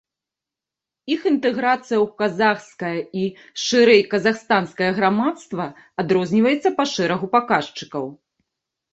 Іх інтэграцыя ў казахскае і, шырэй, казахстанскае грамадства адрозніваецца па шэрагу паказчыкаў.